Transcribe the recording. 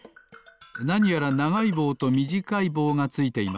なにやらながいぼうとみじかいぼうがついています。